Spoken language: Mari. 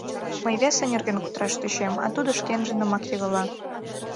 Мый весе нерген кутыраш тӧчем, а тудо шкенжынымак йыгыла.